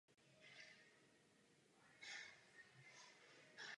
Evropou se vytrvale šíří od druhé světové války.